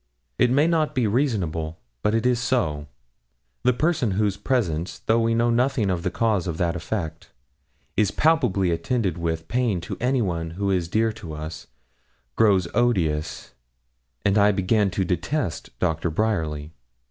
It may not be reasonable, but so it is. The person whose presence, though we know nothing of the cause of that effect, is palpably attended with pain to anyone who is dear to us, grows odious, and I began to detest Doctor Bryerly.